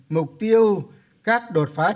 mục tiêu các đột pháp